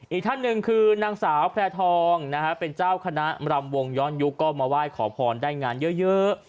อีกท่านหนึ่งคือนางสาวแพร่ทองนะฮะเป็นเจ้าคณะรำวงย้อนยุคก็มาไหว้ขอพรได้งานเยอะ